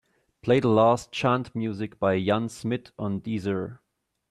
Play the last chant music by Jan Smit on Deezer.